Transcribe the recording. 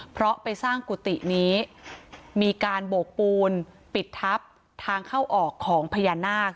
เพราะไปสร้างกุฏินี้มีการโบกปูนปิดทับทางเข้าออกของพญานาค